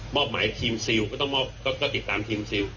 หมายทีมซิลก็ต้องมอบก็ติดตามทีมซิล